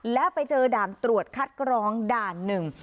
แล้วไปเจอด่านตรวจคัดกรองด่านหนึ่ง